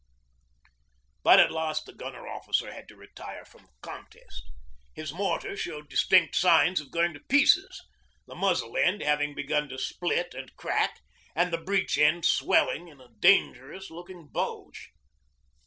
But at last the gunner officer had to retire from the contest. His mortar showed distinct signs of going to pieces the muzzle end having begun to split and crack, and the breech end swelling in a dangerous looking bulge.